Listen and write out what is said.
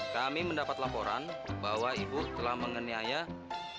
kami mendapat laporan bahwa ibu telah menganiaya